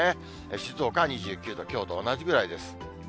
静岡は２９度、きょうと同じぐらいです。